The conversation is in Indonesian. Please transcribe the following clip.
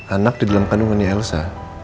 anak di dalam kandungan delsa